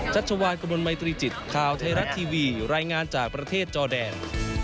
ชัชวานกระมวลมัยตรีจิตข่าวไทยรัฐทีวีรายงานจากประเทศจอแดน